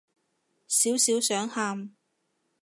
少少想喊